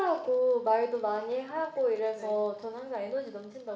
คุณยูจินมุ่งงงงไปในช่วงแห่งง่ายยุทธิ์ของผม